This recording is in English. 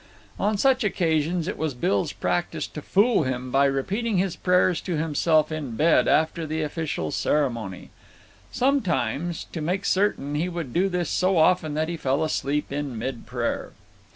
On such occasions it was Bill's practice to fool him by repeating his prayers to himself in bed after the official ceremony. Some times, to make certain, he would do this so often that he fell asleep in mid prayer.